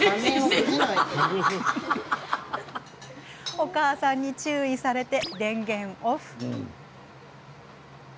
お母さんに注意されて、電源オフ。